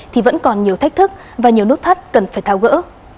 thì vẫn còn nhiều thách thức và nhiều nốt thắt cần phải tháo gỡ